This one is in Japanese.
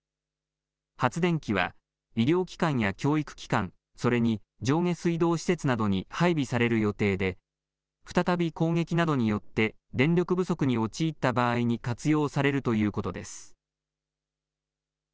発電機は医療機関や教育機関、それに上下水道施設などに配備される予定で再び攻撃などによって電力不足に陥った場合に活用されるということです。